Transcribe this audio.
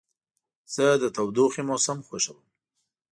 زه د تودوخې موسم خوښوم.